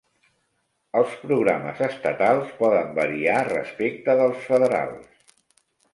Els programes estatals poden variar respecte dels federals.